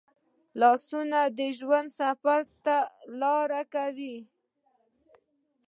لاسونه د ژوند سفر ته لار کوي